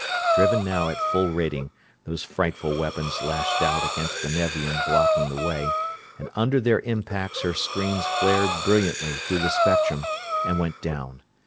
Driven now at full rating those frightful weapons lashed out against the Nevian blocking the way, and under their impacts her screens flared brilliantly through the spectrum and went down.